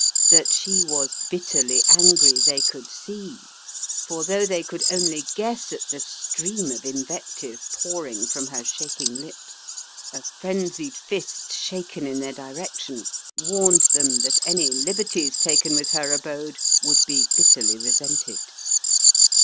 That she was bitterly angry they could see, for though they could only guess at the stream of invective pouring from her shaking lips, a frenzied 106 The Riddle of the Purple Emperor fist shaken in their direction warned them that any liberties taken with her abode would be bitterly re sented.